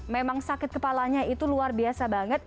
memang sakit kepalanya itu luar biasa banget